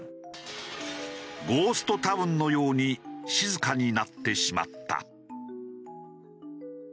ゴーストタウンのように静かになってしまった。